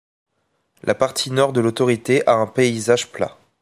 La partie nord de l'autorité a un paysage plat.